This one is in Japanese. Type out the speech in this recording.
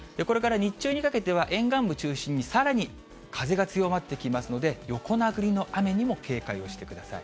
これから日中にかけては、沿岸部中心にさらに風が強まってきますので、横殴りの雨にも警戒をしてください。